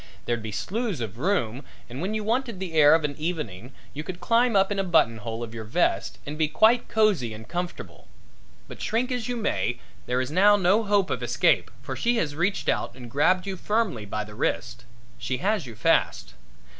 There'd be slews of room and when you wanted the air of an evening you could climb up in a buttonhole of your vest and be quite cosy and comfortable. But shrink as you may, there is now no hope of escape, for she has reached out and grabbed you firmly by the wrist. She has you fast.